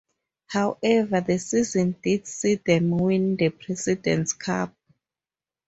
However, the season did see them win the President's Cup.